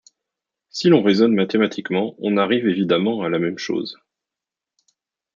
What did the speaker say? Si l'on raisonne mathématiquement, on arrive évidemment à la même chose.